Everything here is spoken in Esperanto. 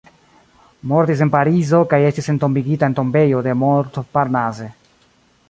Mortis en Parizo kaj estis entombigita en Tombejo de Montparnasse.